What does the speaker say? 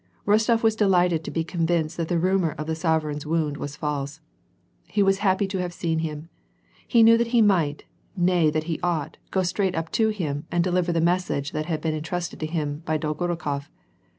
Rostof was delighted to be convinced that the rumor of the sove reign's wound was false. He was happy to have seen him. He knew that he might, nay that he ought to, go straight up to him and deliver the message that had been entrusted to him by J)olgorukof.